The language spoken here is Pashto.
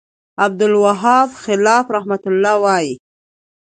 ب : عبدالوهاب خلاف رحمه الله وایی